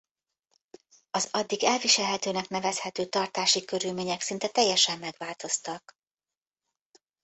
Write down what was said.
Az addig elviselhetőnek nevezhető tartási körülmények szinte teljesen megváltoztak.